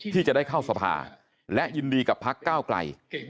ที่จะได้เข้าสภาและยินดีกับพักก้าวไกล